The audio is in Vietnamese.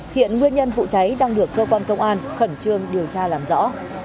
hiện nguyên nhân vụ cháy đang được cơ quan công an khẩn trương điều tra làm rõ